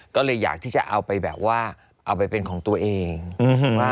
ก็เลยอยากที่จะเอาไปแบบว่าเอาไปเป็นของตัวเองว่า